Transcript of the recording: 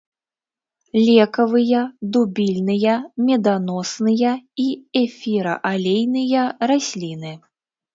Лекавыя, дубільныя, меданосныя і эфіраалейныя расліны.